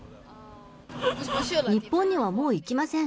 日本にはもう行きません。